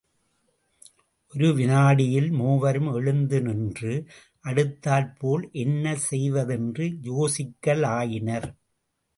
ஒரு வினாடியில் மூவரும் எழுந்து நின்று அடுத்தாற் போல் என்ன செய்வதென்று யோசிக்கலாயினர்.